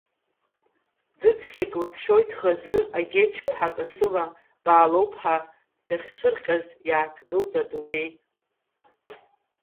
Ӡыцқьак лыԥшьоит хаз Агьечԥҳа касыла, Баалоуԥҳа дахьцәырҟьаз иааҭгылт адунеи.